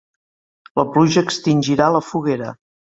La pluja extingirà la foguera.